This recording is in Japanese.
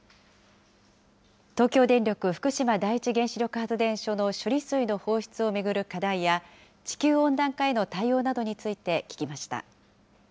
東京電力福島第一原子力発電所の処理水の放出を巡る課題や、地球温暖化への対応などについて聞きました。